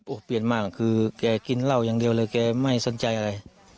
เปลี่ยนมากคือแกกินเหล้าอย่างเดียวเลยแกไม่สนใจอะไร